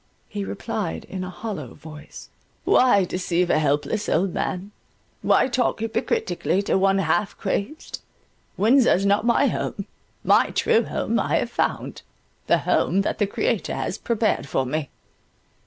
He replied in a hollow voice, "Why deceive a helpless old man, why talk hypocritically to one half crazed? Windsor is not my home; my true home I have found; the home that the Creator has prepared for me."